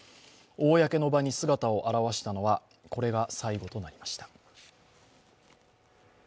公の場に姿を現したのはこれが最後となりました。